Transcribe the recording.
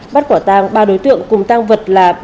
bắt quả tang ba đối tượng cùng tăng vật là